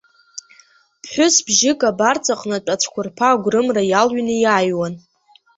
Ԥҳәыс бжьык абарҵаҟнытә ацәқәырԥа агәрымра иалҩны иааҩуан.